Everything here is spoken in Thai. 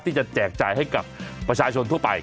แจกจ่ายให้กับประชาชนทั่วไป